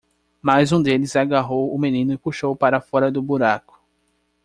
Mas um deles agarrou o menino e puxou-o para fora do buraco.